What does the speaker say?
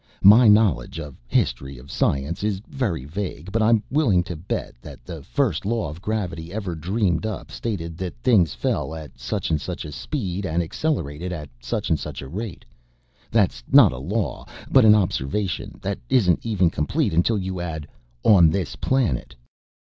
My knowledge of the history of science is very vague, but I'm willing to bet that the first Law of Gravity ever dreamed up stated that things fell at such and such a speed, and accelerated at such and such a rate. That's not a law, but an observation that isn't even complete until you add 'on this planet.'